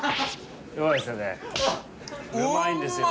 うまいんですよ